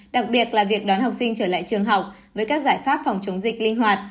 đặc biệt là việc đón học sinh trở lại trường học với các giải pháp phòng chống dịch linh hoạt